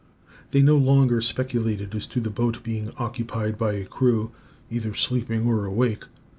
They no longer speculated as to the boat being occupied by a crew, either sleeping or awake.